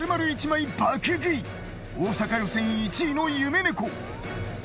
大阪予選１位の夢猫。